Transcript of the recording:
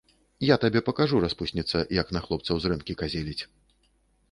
Я табе пакажу, распусніца, як на хлопцаў зрэнкі казеліць!